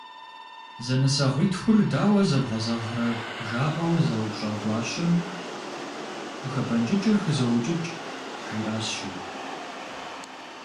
«Зэнысэгъуитхур дауэ зэбгъэзэгърэ?» - жаӏэу зэупщӏа гуащэм, «Къыхэпӏэнкӏыкӏыр хызоукӏыкӏ» - жиӏащ, жи.